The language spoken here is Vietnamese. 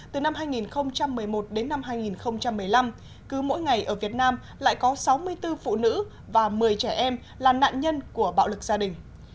từ năm hai nghìn một mươi một đến năm hai nghìn một mươi năm cứ mỗi ngày ở việt nam lại có sáu mươi bốn phụ nữ và một mươi trẻ em là nạn nhân của bạo lực gia đình